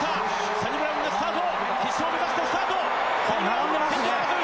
サニブラウンでスタート。